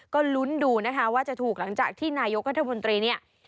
ก็ลุ้นดูนะคะว่าจะถูกหลังจากที่นายกรัฐมนตรีเนี่ย